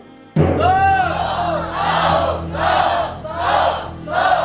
สู้สู้สู้